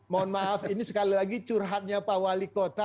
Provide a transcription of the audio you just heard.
mohon maaf ini sekali lagi curhatnya pak wali kota